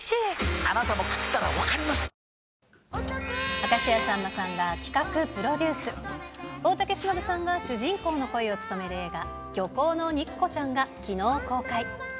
明石家さんまさんが企画、プロデュース、大竹しのぶさんが主人公の声を務める映画、漁港の肉子ちゃんがきのう公開。